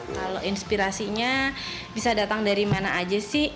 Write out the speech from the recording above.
kalau inspirasinya bisa datang dari mana aja sih